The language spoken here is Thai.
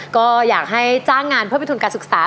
ก็อยากให้จ้างงานเพื่อเป็นทุนการศึกษา